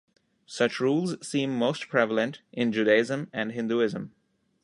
Such rules seem most prevalent in Judaism and Hinduism.